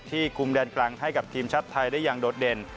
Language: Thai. คุมแดนกลางให้กับทีมชาติไทยได้อย่างโดดเด่น